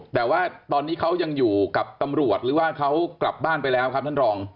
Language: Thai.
แต่ว่าตอนนี้เขายังอยู่กับตำรวจหรือว่าเขากลับบ้านไปแล้วครับท่านรอง